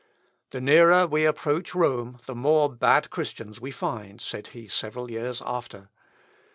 "The nearer we approach Rome the more bad Christians we find," said he several years after.